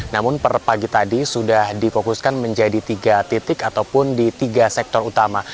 namun per pagi tadi sudah difokuskan menjadi tiga titik ataupun di tiga sektor utama